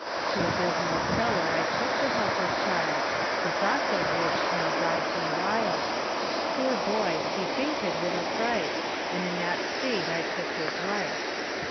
To a dismal cellar I took the helpless child, The thoughts of which now drives me wild; Poor boy, he fainted with affright, And in that state I took his life.